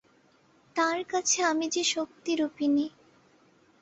তাঁর কাছে আমি যে শক্তিরূপিণী!